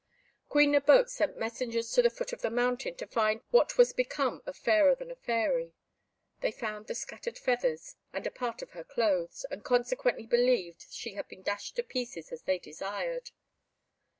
Queen Nabote sent messengers to the foot of the mountain to find what was become of Fairer than a Fairy. They found the scattered feathers, and a part of her clothes, and consequently believed she had been dashed to pieces, as they desired.